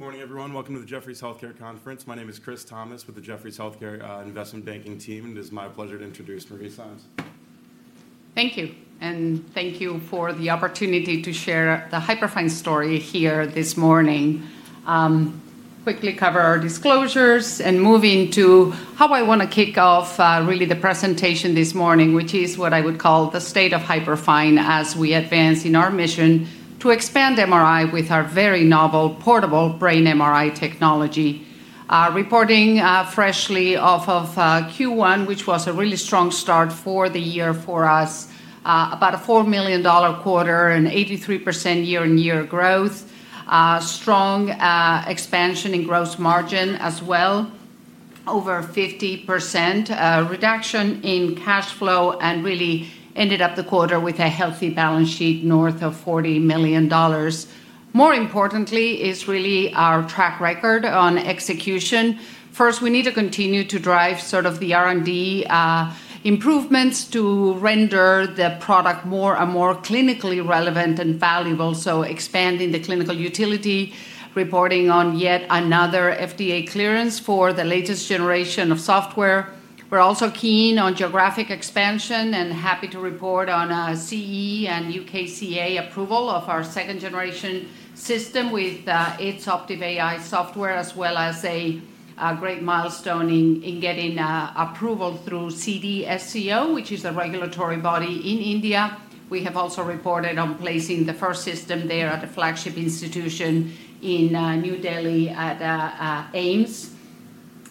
Morning, everyone. Welcome to the Jefferies Global Healthcare Conference. My name is Chris Thomas with the Jefferies Healthcare Investment Banking Team. It is my pleasure to introduce Maria Sainz. Thank you, and thank you for the opportunity to share the Hyperfine story here this morning. Quickly cover our disclosures and moving to how I want to kick off really the presentation this morning, which is what I would call the state of Hyperfine as we advance in our mission to expand MRI with our very novel portable brain MRI technology. Reporting freshly off of Q1, which was a really strong start for the year for us. About a $4 million quarter, an 83% year-on-year growth. Strong expansion in gross margin as well, over 50% reduction in cash flow, and really ended up the quarter with a healthy balance sheet north of $40 million. More importantly is really our track record on execution. First, we need to continue to drive the R&D improvements to render the product more and more clinically relevant and valuable. Expanding the clinical utility, reporting on yet another FDA clearance for the latest generation of software. We're also keen on geographic expansion and happy to report on CE and UKCA approval of our second-generation system with its Optive AI software, as well as a great milestone in getting approval through CDSCO, which is a regulatory body in India. We have also reported on placing the first system there at the flagship institution in New Delhi at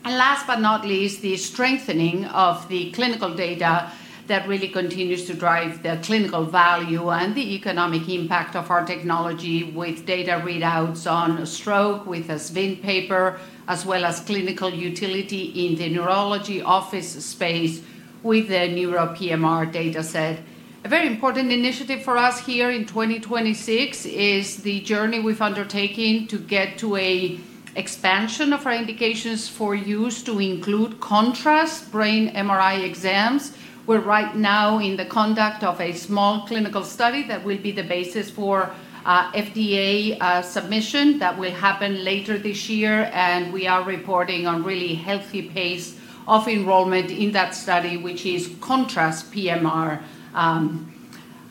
AIIMS. Last but not least, the strengthening of the clinical data that really continues to drive the clinical value and the economic impact of our technology with data readouts on stroke with an SVIN paper, as well as clinical utility in the neurology office space with the NeuroPMR data set. A very important initiative for us here in 2026 is the journey we've undertaken to get to an expansion of our indications for use to include contrast brain MRI exams. We are right now in the conduct of a small clinical study that will be the basis for FDA submission. That will happen later this year. We are reporting on a really healthy pace of enrollment in that study, which is ContrastPMR.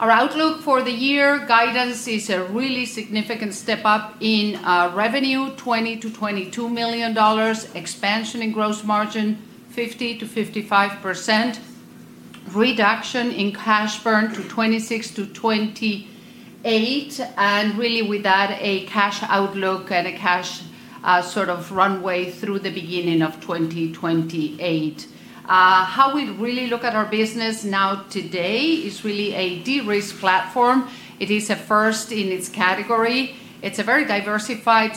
Our outlook for the year guidance is a really significant step up in revenue, $20 million-$22 million, expansion in gross margin, 50%-55%, reduction in cash burn to $26 million-$28 million, and really with that, a cash outlook and a cash runway through the beginning of 2028. How we really look at our business now today is really a de-risked platform. It is a first in its category. It's a very diversified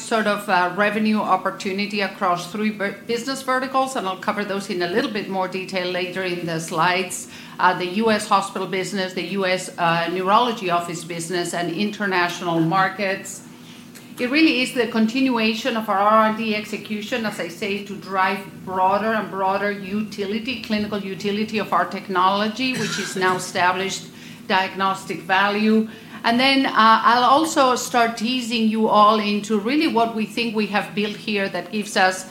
revenue opportunity across three business verticals, and I'll cover those in a little bit more detail later in the slides. The U.S. hospital business, the U.S. neurology office business, and international markets. It really is the continuation of our R&D execution, as I say, to drive broader and broader clinical utility of our technology, which is now established diagnostic value. I'll also start teasing you all into really what we think we have built here that gives us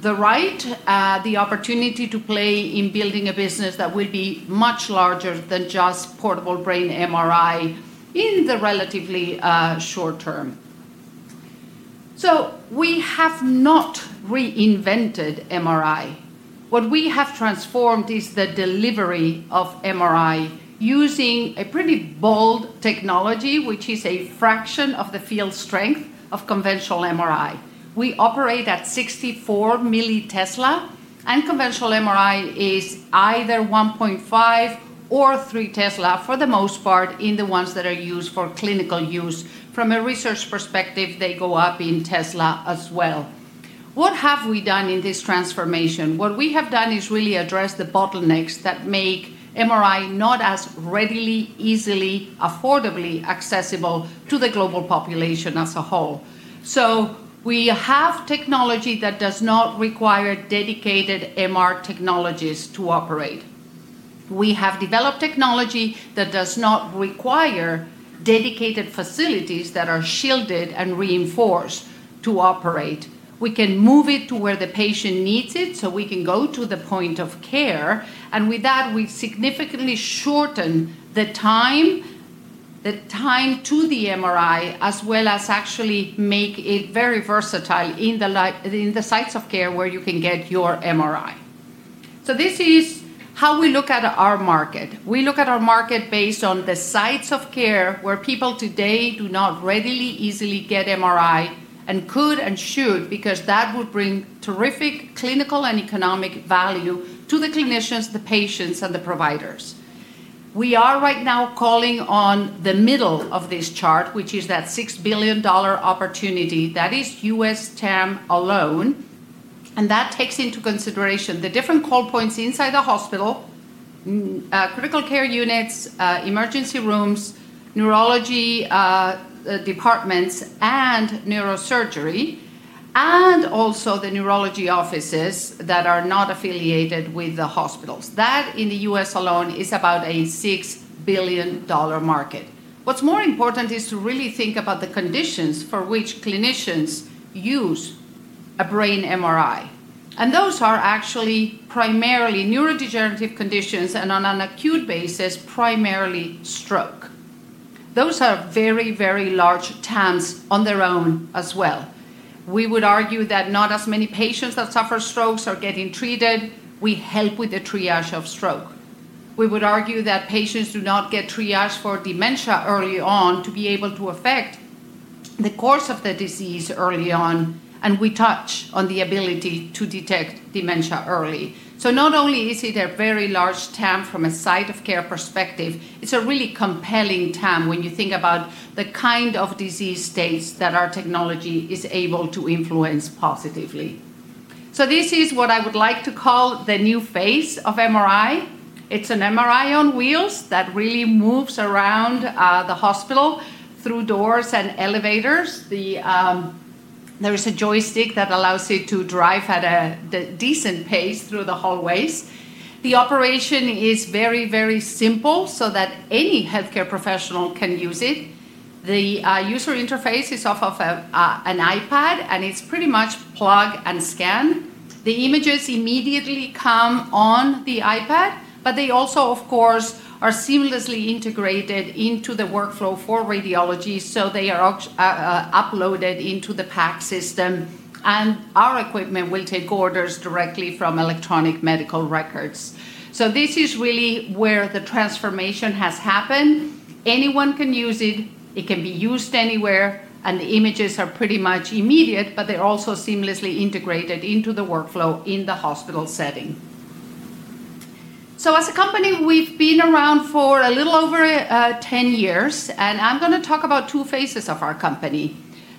the right, the opportunity to play in building a business that will be much larger than just portable brain MRI in the relatively short term. We have not reinvented MRI. What we have transformed is the delivery of MRI using a pretty bold technology, which is a fraction of the field strength of conventional MRI. We operate at 64 mT, and conventional MRI is either 1.5T or 3T, for the most part, in the ones that are used for clinical use. From a research perspective, they go up in tesla as well. What have we done in this transformation? What we have done is really address the bottlenecks that make MRI not as readily, easily, or affordably accessible to the global population as a whole. We have technology that does not require dedicated MR technologists to operate. We have developed technology that does not require dedicated facilities that are shielded and reinforced to operate. We can move it to where the patient needs it so we can go to the point of care. With that, we significantly shorten the time to the MRI, as well as actually make it very versatile in the sites of care where you can get your MRI. This is how we look at our market. We look at our market based on the sites of care where people today do not readily, easily get MRI and could and should, because that would bring terrific clinical and economic value to the clinicians, the patients, and the providers. We are right now calling on the middle of this chart, which is that $6 billion opportunity. That is U.S. TAM alone takes into consideration the different call points inside the hospital, critical care units, emergency rooms, neurology departments, and neurosurgery. Also the neurology offices that are not affiliated with the hospitals. That, in the U.S. alone, is about a $6 billion market. What's more important is to really think about the conditions for which clinicians use a brain MRI, and those are actually primarily neurodegenerative conditions, and on an acute basis, primarily stroke. Those are very, very large TAMs on their own as well. We would argue that not as many patients that suffer strokes are getting treated. We help with the triage of stroke. We would argue that patients do not get triaged for dementia early on to be able to affect the course of the disease early on. We touch on the ability to detect dementia early. Not only is it a very large TAM from a site of care perspective, but it's also a really compelling TAM when you think about the kind of disease states that our technology is able to influence positively. This is what I would like to call the new face of MRI. It's an MRI on wheels that really moves around the hospital through doors and elevators. There is a joystick that allows it to drive at a decent pace through the hallways. The operation is very, very simple so that any healthcare professional can use it. The user interface is off of an iPad, and it's pretty much plug and scan. The images immediately come on the iPad, but they also, of course, are seamlessly integrated into the workflow for radiology, so they are uploaded into the PACS system, and our equipment will take orders directly from electronic medical records. This is really where the transformation has happened. Anyone can use it can be used anywhere, and the images are pretty much immediate, but they're also seamlessly integrated into the workflow in the hospital setting. As a company, we've been around for a little over 10 years, and I'm going to talk about two phases of our company.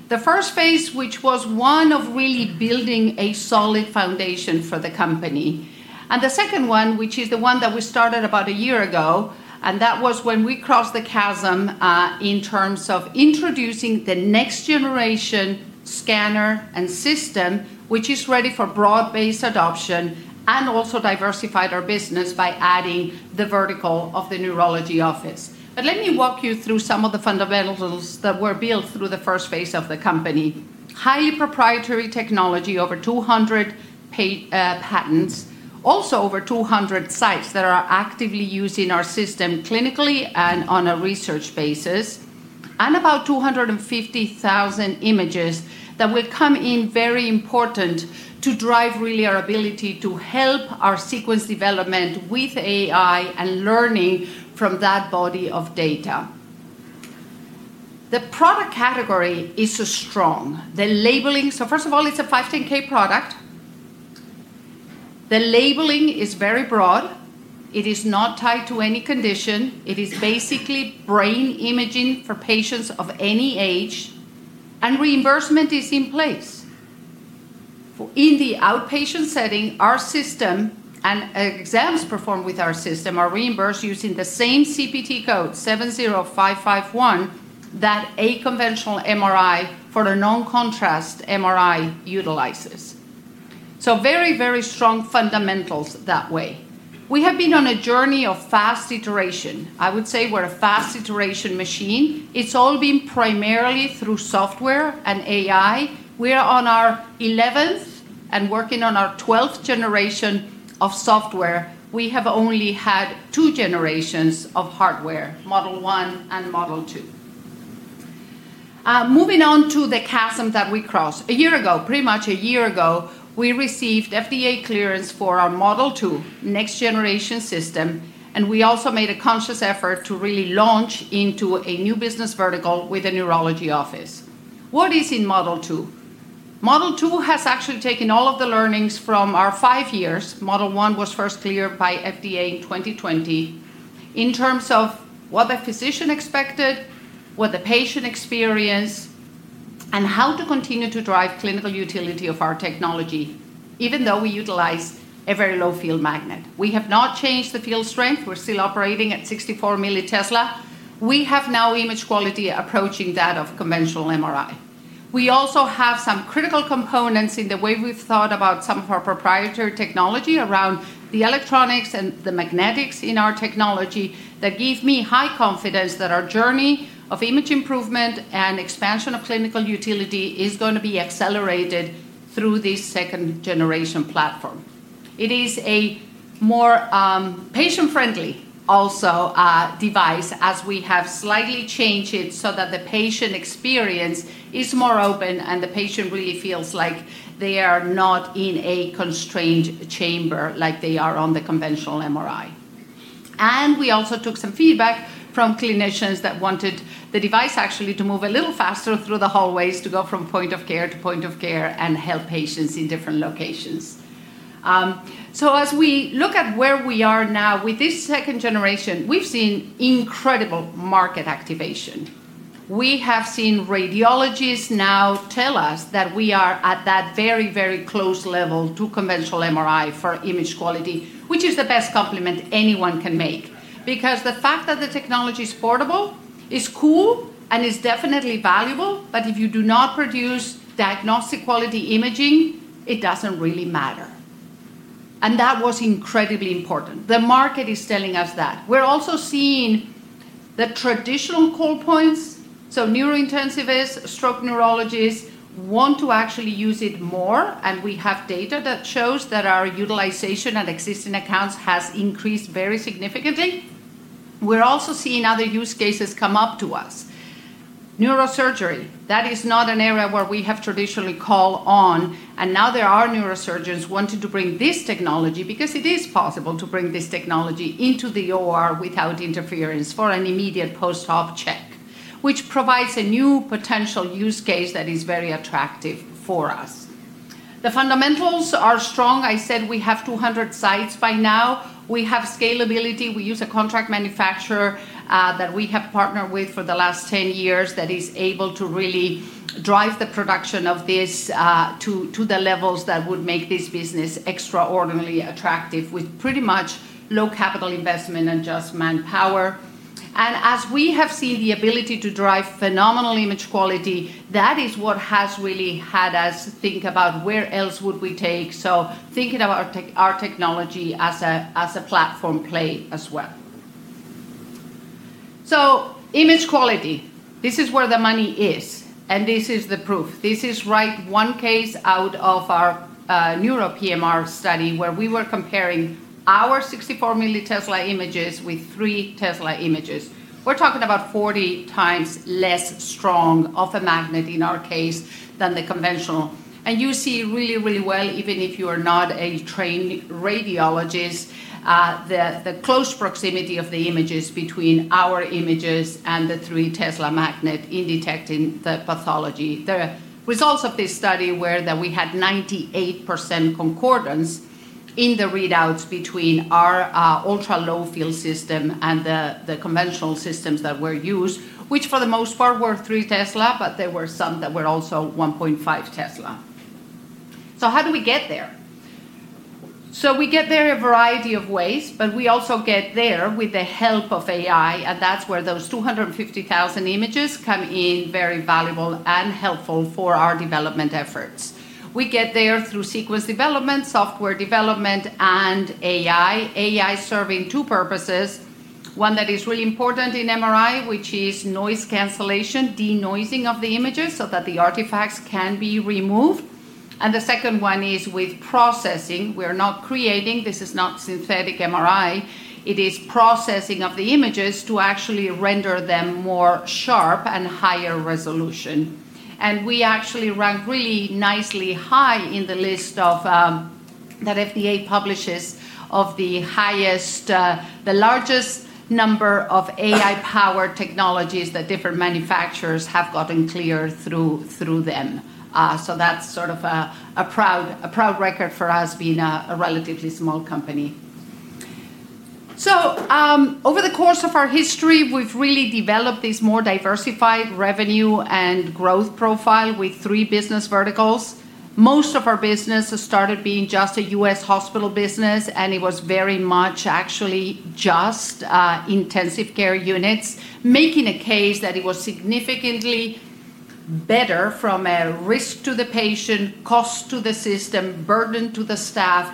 The first phase, which was one of really building a solid foundation for the company. The second one, which is the one that we started about a year ago, was when we crossed the chasm in terms of introducing the next-generation scanner and system, which is ready for broad-based adoption and also diversified our business by adding the vertical of the neurology office. Let me walk you through some of the fundamentals that were built through the first phase of the company. Highly proprietary technology, over 200 patents. Over 200 sites that are actively using our system clinically and on a research basis. About 250,000 images will come in very important to drive really our ability to help our sequence development with AI and learning from that body of data. The product category is strong. First of all, it's a 510(k) product. The labeling is very broad. It is not tied to any condition. It is basically brain imaging for patients of any age, and reimbursement is in place. In the outpatient setting, our system and exams performed with our system are reimbursed using the same CPT code, 70551, that a conventional MRI for a non-contrast MRI utilizes. Very, very strong fundamentals that way. We have been on a journey of fast iteration. I would say we're a fast iteration machine. It's all been primarily through software and AI. We are on our 11th and working on our 12th generation of software. We have only had two generations of hardware, Model 1 and Model 2. Moving on to the chasm that we crossed. A year ago, pretty much a year ago, we received FDA clearance for our Model 2 next-generation system. We also made a conscious effort to really launch into a new business vertical with a neurology office. What is in Model 2? Model 2 has actually taken all of the learnings from our five years. Model 1 was first cleared by the FDA in 2020, in terms of what the physician expected, what the patient experienced, and how to continue to drive clinical utility of our technology, even though we utilize a very low field magnet. We have not changed the field strength. We are still operating at 64 mT. We now have image quality approaching that of conventional MRI. We also have some critical components in the way we've thought about some of our proprietary technology around the electronics and the magnetics in our technology that give me high confidence that our journey of image improvement and expansion of clinical utility is going to be accelerated through this second-generation platform. It is a more patient-friendly, also, device, as we have slightly changed it so that the patient experience is more open and the patient really feels like they are not in a constrained chamber like they are on the conventional MRI. We also took some feedback from clinicians that wanted the device actually to move a little faster through the hallways to go from point of care to point of care and help patients in different locations. As we look at where we are now with this second generation, we've seen incredible market activation. We have seen radiologists now tell us that we are at that very, very close level to conventional MRI for image quality, which is the best compliment anyone can make. The fact that the technology is portable is cool and is definitely valuable, but if you do not produce diagnostic-quality imaging, it doesn't really matter. That was incredibly important. The market is telling us that. We're also seeing the traditional call points, so neurointensivists and stroke neurologists want to actually use it more, and we have data that shows that our utilization and existing accounts have increased very significantly. We're also seeing other use cases come up to us. Neurosurgery is not an area where we have traditionally called on, and now there are neurosurgeons wanting to bring this technology, because it is possible to bring this technology into the OR without interference for an immediate post-op check, which provides a new potential use case that is very attractive for us. The fundamentals are strong. I said we have 200 sites by now. We have scalability. We use a contract manufacturer that we have partnered with for the last 10 years that is able to really drive the production of this to the levels that would make this business extraordinarily attractive with pretty much low capital investment and just manpower. As we have seen, the ability to drive phenomenal image quality—that is what has really had us think about where else we would take it, so think about our technology as a platform play as well. Image quality: this is where the money is, and this is the proof. This is the right case out of our NeuroPMR study where we were comparing our 64 mT images with 3T images. We're talking about 40x less strong of a magnet in our case than the conventional. You see really, really well, even if you are not a trained radiologist, the close proximity of the images between our images and the 3T magnet in detecting the pathology. The results of this study were that we had 98% concordance in the readouts between our ultra-low field system and the conventional systems that were used, which for the most part were 3T, but there were some that were also 1.5T. How do we get there? We get there a variety of ways, but we also get there with the help of AI, and that's where those 250,000 images come in very valuable and helpful for our development efforts. We get there through sequence development, software development, and AI. AI serves two purposes, one that is really important in MRI, which is noise cancellation, de-noising of the images so that the artifacts can be removed, and the second one is with processing. We're not creating. This is not synthetic MRI. It is the processing of the images to actually render them sharper and higher resolution. We actually rank really nicely high on the list that the FDA publishes of the highest, the largest number of AI-powered technologies that different manufacturers have gotten cleared through them. That's sort of a proud record for us being a relatively small company. Over the course of our history, we've really developed this more diversified revenue and growth profile with three business verticals. Most of our business started being just a U.S. hospital business, and it was very much actually just intensive care units, making a case that it was significantly better from a risk to the patient, cost to the system, and burden to the staff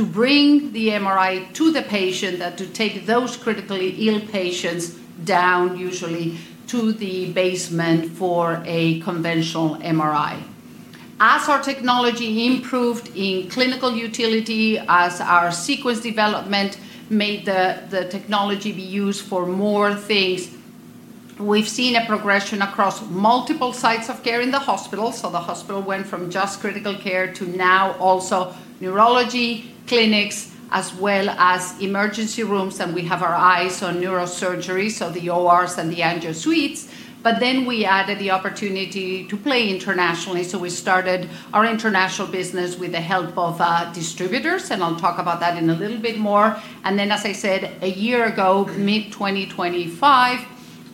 to bring the MRI to the patient than to take those critically ill patients down usually to the basement for a conventional MRI. As our technology improved in clinical utility, as our sequence development made the technology be used for more things, we've seen a progression across multiple sites of care in the hospital. The hospital went from just critical care to now also neurology clinics as well as emergency rooms, and we have our eyes on neurosurgery, so the ORs and the angio suites. We added the opportunity to play internationally, so we started our international business with the help of distributors, and I'll talk about that in a little bit more. As I said, a year ago, mid-2025,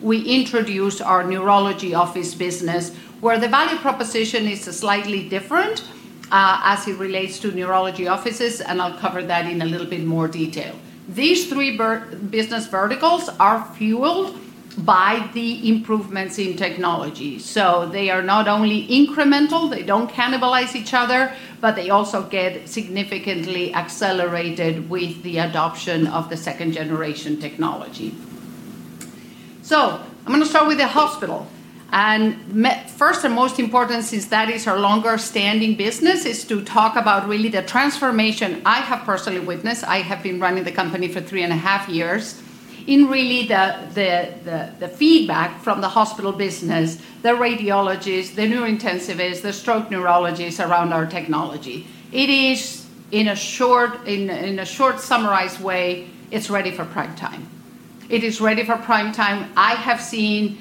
we introduced our neurology office business, where the value proposition is slightly different, as it relates to neurology offices, and I'll cover that in a little bit more detail. These three business verticals are fueled by the improvements in technology. They are not only incremental; they don't cannibalize each other, but they also get significantly accelerated with the adoption of the second-generation technology. I'm going to start with the hospital. first and most important, since that is our longer-standing business, is to talk about really the transformation I have personally witnessed. I have been running the company for three and a half years, in really the feedback from the hospital business, the radiologists, the neurointensivists, and the stroke neurologists around our technology. It is, in a short summarized way, ready for prime time. It is ready for prime time. I have seen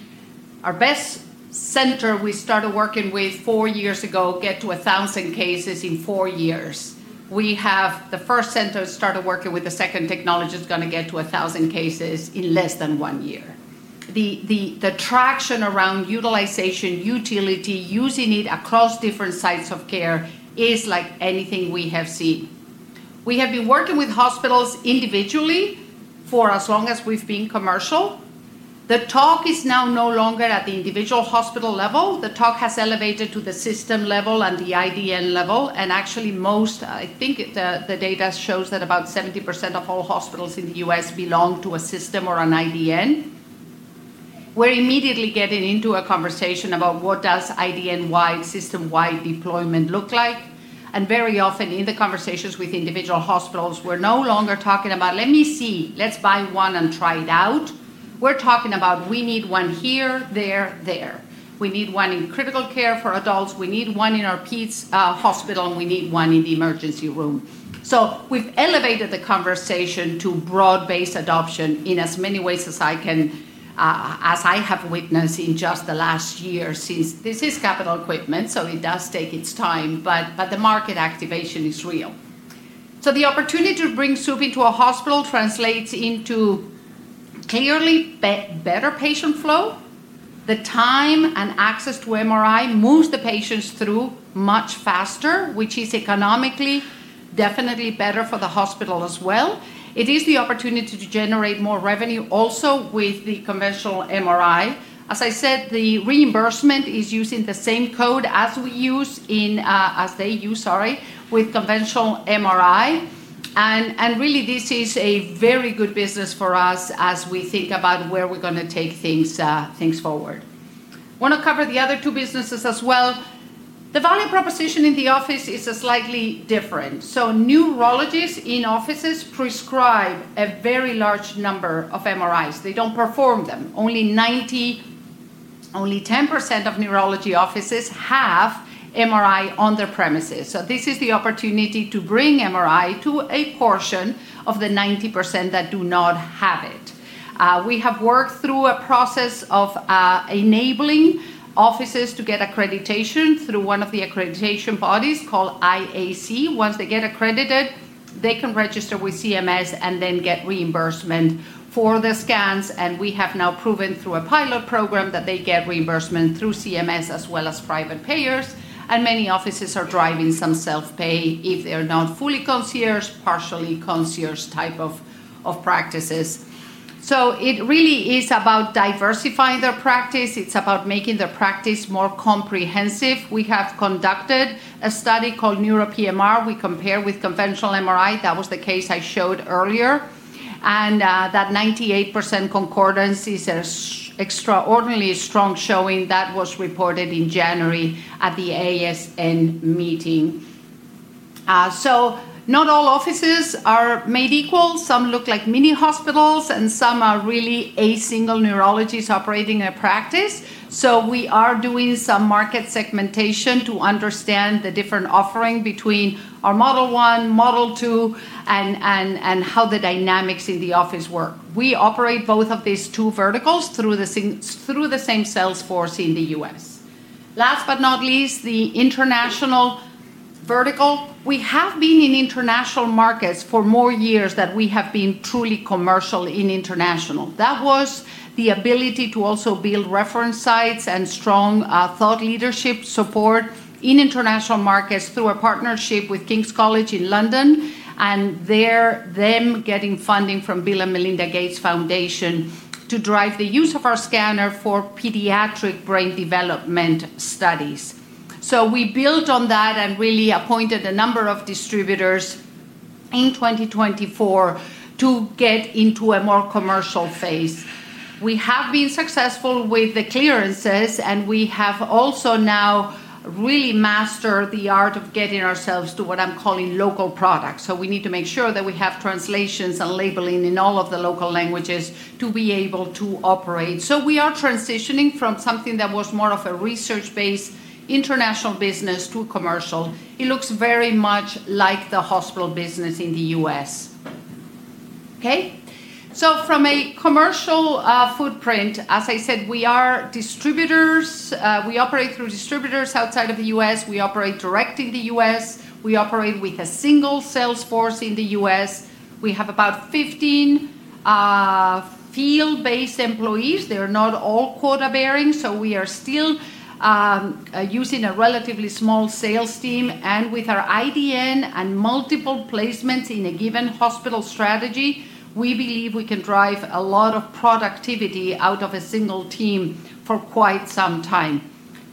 our best center we started working with four years ago get to 1,000 cases in four years. We have the first center we started working with; the second technology is going to get to 1,000 cases in less than one year. The traction around utilization and utility, using it across different sites of care, is like anything we have seen. We have been working with hospitals individually for as long as we've been commercial. The talk is now no longer at the individual hospital level. The talk has elevated to the system level and the IDN level. Actually, I think the data shows that about 70% of all hospitals in the U.S. belong to a system or an IDN. We're immediately getting into a conversation about what IDN-wide, system-wide deployment looks like. Very often in the conversations with individual hospitals, we're no longer talking about, Let me see. Let's buy one and try it out." We're talking about, We need one here, there. We need one in critical care for adults, we need one in our pediatrics hospital, and we need one in the emergency room. We've elevated the conversation to broad-based adoption in as many ways as I have witnessed in just the last year since. This is capital equipment, so it does take its time, but the market activation is real. the opportunity to bring Swoop into a hospital translates into clearly better patient flow. The time and access to MRI moves the patients through much faster, which is economically definitely better for the hospital as well. It is the opportunity to generate more revenue also with the conventional MRI. As I said, the reimbursement is using the same code as they use with conventional MRI. really, this is a very good business for us as we think about where we're going to take things forward. Want to cover the other two businesses as well. The value proposition in the office is slightly different. Neurologists in offices prescribe a very large number of MRIs. They don't perform them. Only 10% of neurology offices have MRI on their premises. This is the opportunity to bring MRI to a portion of the 90% that do not have it. We have worked through a process of enabling offices to get accreditation through one of the accreditation bodies called IAC. Once they get accredited, they can register with CMS and then get reimbursement for the scans, and we have now proven through a pilot program that they get reimbursement through CMS as well as private payers, and many offices are driving some self-pay if they're not fully concierge, partially concierge type of practices. It really is about diversifying their practice. It's about making their practice more comprehensive. We have conducted a study called NeuroPMR. We compare with conventional MRI. That was the case I showed earlier. That 98% concordance is an extraordinarily strong showing. That was reported in January at the ASN meeting. Not all offices are made equal. Some look like mini hospitals, and some are really a single neurologist operating a practice. We are doing some market segmentation to understand the different offerings between our Model 1, Model 2, and how the dynamics in the office work. We operate both of these two verticals through the same sales force in the U.S. Last but not least, the international vertical. We have been in international markets for more years than we have been truly commercial in international. That was the ability to also build reference sites and strong thought leadership support in international markets through a partnership with King's College in London, and them getting funding from the Bill & Melinda Gates Foundation to drive the use of our scanner for pediatric brain development studies. We built on that and really appointed a number of distributors in 2024 to get into a more commercial phase. We have been successful with the clearances, and we have also now really mastered the art of getting ourselves to what I'm calling local products. We need to make sure that we have translations and labeling in all of the local languages to be able to operate. We are transitioning from something that was more of a research-based international business to commercial. It looks very much like the hospital business in the U.S. Okay. From a commercial footprint, as I said, we are distributors. We operate through distributors outside of the U.S. We operate direct in the U.S. We operate with a single sales force in the U.S. We have about 15 field-based employees. They're not all quota-bearing, so we are still using a relatively small sales team. With our IDN and multiple placements in a given hospital strategy, we believe we can drive a lot of productivity out of a single team for quite some time.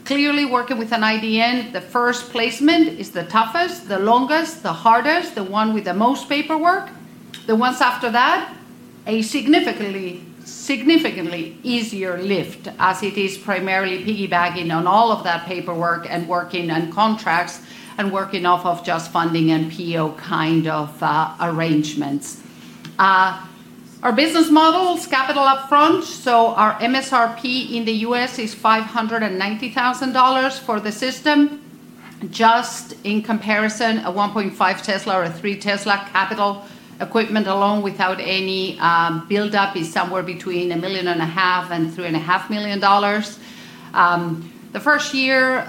Clearly, working with an IDN, the first placement is the toughest, the longest, the hardest, the one with the most paperwork. The ones after that, a significantly easier lift as it is primarily piggybacking on all of that paperwork, and working on contracts, and working off of just funding and PO kind of arrangements. Our business model is capital upfront. Our MSRP in the U.S. is $590,000 for the system. Just in comparison, a 1.5T or a 3T capital equipment alone without any buildup is somewhere between a million and a half and $3.5 million. The first year,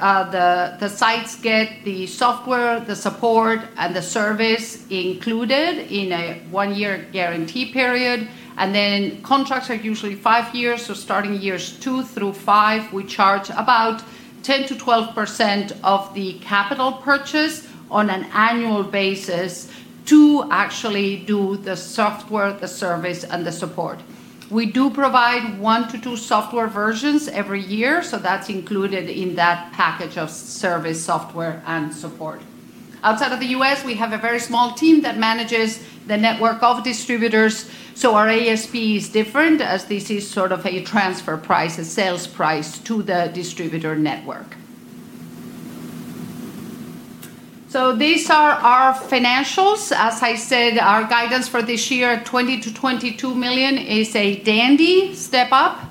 the sites get the software, the support, and the service included in a one-year guarantee period, and then contracts are usually five years, so starting years two through five, we charge about 10%-12% of the capital purchase on an annual basis to actually do the software, the service, and the support. We do provide one to two software versions every year, so that's included in that package of service, software, and support. Outside of the U.S., we have a very small team that manages the network of distributors, so our ASP is different as this is sort of a transfer price, a sales price to the distributor network. These are our financials. As I said, our guidance for this year, $20-$22 million, is a dandy step up.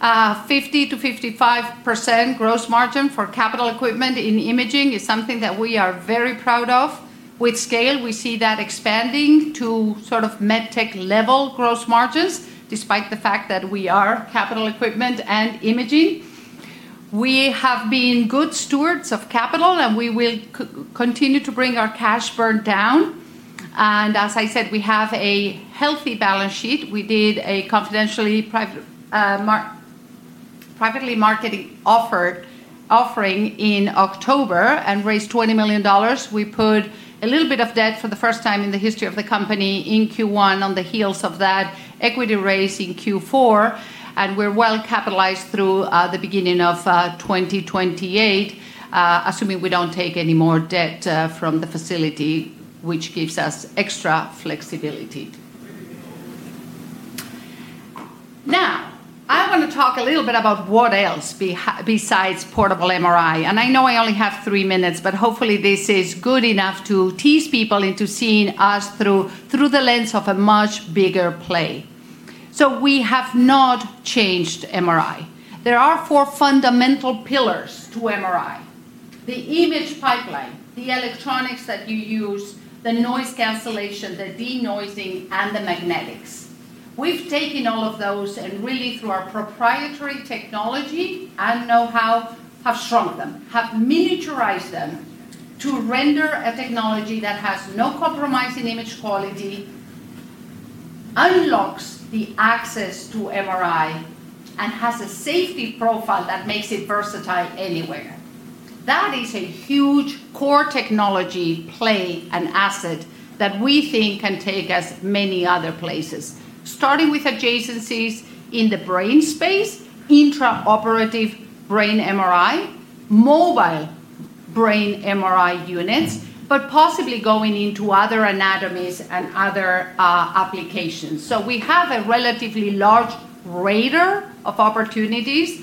50%-55% gross margin for capital equipment in imaging is something that we are very proud of. With scale, we see that expanding to med tech-level gross margins, despite the fact that we are capital equipment and imaging. We have been good stewards of capital, and we will continue to bring our cash burn down. As I said, we have a healthy balance sheet. We did a confidentially marketed private offering in October and raised $20 million. We put a little bit of debt for the first time in the history of the company in Q1 on the heels of that equity raise in Q4, and we're well-capitalized through the beginning of 2028, assuming we don't take any more debt from the facility, which gives us extra flexibility. Now, I want to talk a little bit about what else besides portable MRI. I know I only have three minutes, but hopefully this is good enough to tease people into seeing us through the lens of a much bigger play. We have not changed MRI. There are four fundamental pillars to MRI. The image pipeline, the electronics that you use, the noise cancellation, the de-noising, and the magnetics. We've taken all of those and really, through our proprietary technology and know-how, have shrunk them, have miniaturized them to render a technology that has no compromise in image quality, unlocks the access to MRI, and has a safety profile that makes it versatile anywhere. That is a huge core technology play and asset that we think can take us many other places. Starting with adjacencies in the brain space, intraoperative brain MRI, and mobile brain MRI units, but possibly going into other anatomies and other applications. We have a relatively large radar of opportunities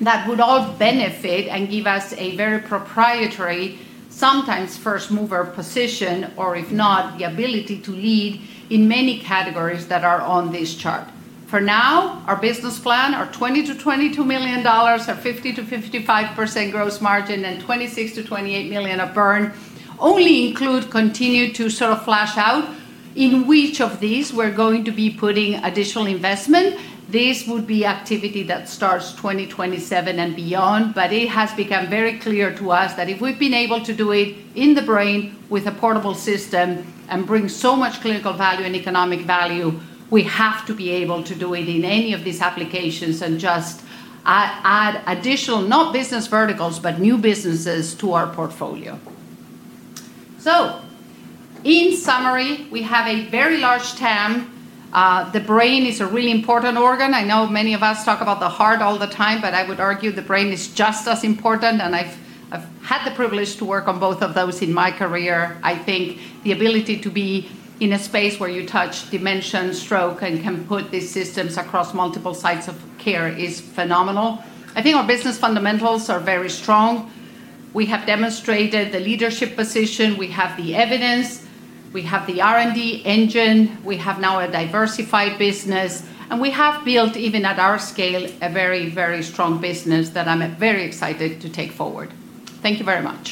that would all benefit and give us a very proprietary, sometimes first-mover position, or if not, the ability to lead in many categories that are on this chart. For now, our business plan, our $20-$22 million at 50%-55% gross margin and $26-$28 million of burn only include continue to sort of flesh out in which of these we're going to be putting additional investment. This would be activity that starts 2027 and beyond, but it has become very clear to us that if we've been able to do it in the brain with a portable system and bring so much clinical value and economic value, we have to be able to do it in any of these applications and just add additional, not business verticals, but new businesses to our portfolio. In summary, we have a very large TAM. The brain is a really important organ. I know many of us talk about the heart all the time, but I would argue the brain is just as important, and I've had the privilege to work on both of those in my career. I think the ability to be in a space where you touch dementia and stroke and can put these systems across multiple sites of care is phenomenal. I think our business fundamentals are very strong. We have demonstrated the leadership position. We have the evidence; we have the R&D engine. We have now a diversified business, and we have built, even at our scale, a very strong business that I'm very excited to take forward. Thank you very much